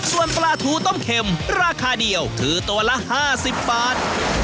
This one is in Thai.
ส่วนปลาทูต้มเข็มราคาเดียวคือตัวละ๕๐บาท